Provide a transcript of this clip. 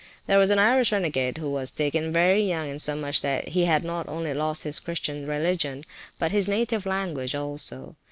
There was an Irish renegade, who was taken very young, insomuch that he had not only lost his Christian religion, but his native language also.